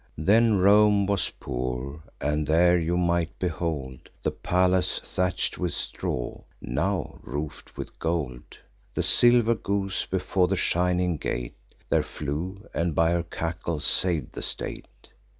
Then Rome was poor; and there you might behold The palace thatch'd with straw, now roof'd with gold. The silver goose before the shining gate There flew, and, by her cackle, sav'd the state.